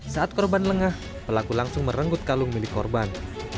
saat korban lengah pelaku langsung merenggut kalung milik korban